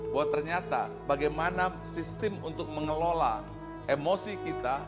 bahwa ternyata bagaimana sistem untuk mengelola emosi kita